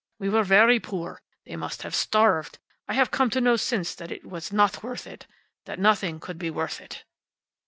We were very poor. They must have starved. I have come to know, since, that it was not worth it. That nothing could be worth it."